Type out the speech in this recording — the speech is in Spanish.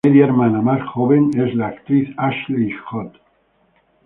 Su media hermana más joven es la actriz Ashley Judd.